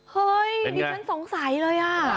เฮ้ยดิฉันสงสัยเลยอ่ะ